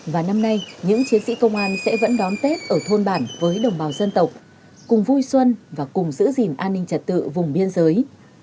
và năm nay những chiến sĩ công an sẽ vẫn đón tết ở thôn bản với đồng bào dân tộc cùng vui xuân và cùng giữ gìn an ninh trật tự vùng biên giới